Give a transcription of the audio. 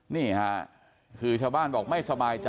นี่ค่ะคือชาวบ้านบอกไม่สบายใจ